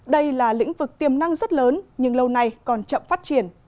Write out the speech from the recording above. đây là lĩnh vực tiềm năng rất lớn nhưng lâu nay còn chậm phát triển